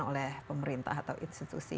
oleh pemerintah atau institusi